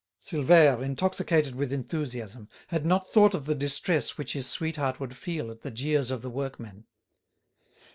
Silvère, intoxicated with enthusiasm, had not thought of the distress which his sweetheart would feel at the jeers of the workmen.